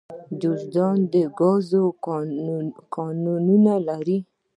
جوزجان د ګازو کانونه لري